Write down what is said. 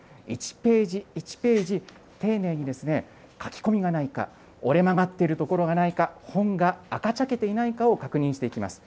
１ページ１ページ、丁寧にですね、書き込みがないか、折れ曲がっている所がないか、本が赤茶けていないかを確認していきます。